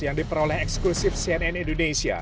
yang diperoleh eksklusif cnn indonesia